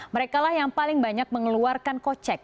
mereka lah yang paling banyak mengeluarkan kocek